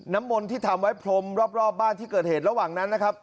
น้ำมนต์ที่ทำไว้พรมรอบบ้านที่เกิดเหตุระหว่างนั้นนะครับ